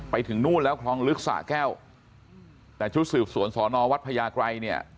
ไปถึงนู่นแล้วคลองลึกสะแก้วแต่ชุดสืบสวนสอนอวัดพญาไกรเนี่ย